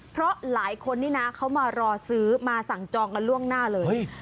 เพราะหลายคนนี่นะเขามารอซื้อมาสั่งจองกันล่วงหน้าเลย